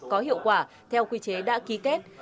có hiệu quả theo quy chế đã ký kết